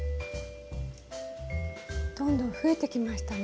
どんどん増えてきましたね。